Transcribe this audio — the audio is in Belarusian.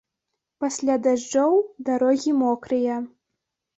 Пасля дажджоў дарогі мокрыя.